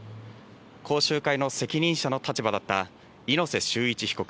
講習会の責任者の立場だった猪瀬修一被告、